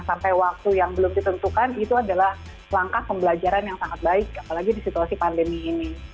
sampai waktu yang belum ditentukan itu adalah langkah pembelajaran yang sangat baik apalagi di situasi pandemi ini